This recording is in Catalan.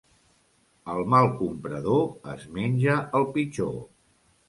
El mal comprador es menja el pitjor.